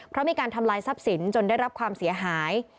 เพราะมีการทำลายทรัพย์สินจนได้รับความเสียหาย